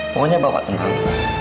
pokoknya bapak tenang